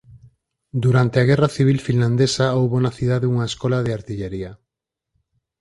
Durante a Guerra Civil Finlandesa houbo na cidade unha escola de artillería.